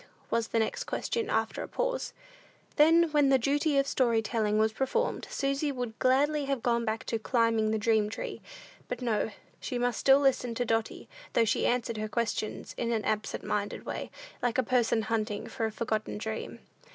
was the next question, after a pause. Then, when the duty of story telling was performed, Susy would gladly have gone back to "climbing the dream tree;" but no, she must still listen to Dotty, though she answered her questions in an absent minded way, like a person "hunting for a forgotten dream."